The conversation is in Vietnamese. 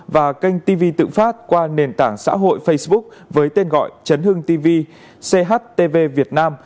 và kênh tv tự phát qua nền tảng xã hội facebook với tên gọi chấn hưng tv chtv việt nam